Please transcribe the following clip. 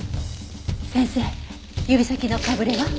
先生指先のかぶれは？